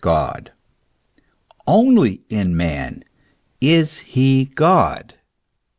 God ; only in man is lie God.